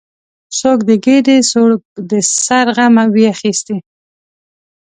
څوک د ګیډې، څوک د سر غم وي اخیستی